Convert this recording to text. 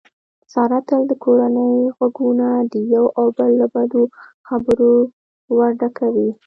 ساره تل د کورنۍ غوږونه د یو او بل له بدو خبرو ورډکوي.